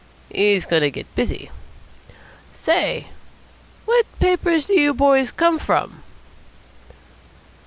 He's going to get busy. Say, what paper do you boys come from?"